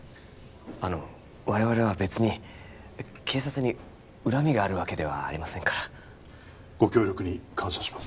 あの我々は別に警察に恨みがあるわけではありませんからご協力に感謝します